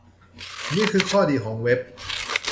นี่คือข้อดีของเว็บ